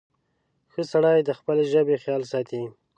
• ښه سړی د خپلې ژبې خیال ساتي.